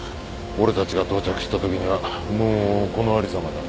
俺たちが到着したときにはもうこのありさまだ。